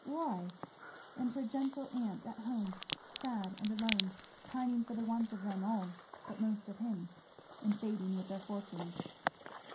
why? and her gentle aunt at home sad and alone, pining for the want of them all, but most of him, and fading with their fortunes.